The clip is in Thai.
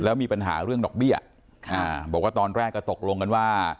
แล้วมีปัญหาเรื่องดอกเบี้ยบอกว่าตอนแรกก็ตกลงกันว่า